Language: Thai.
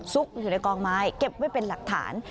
อยู่ในกองไม้เก็บไว้เป็นหลักฐาน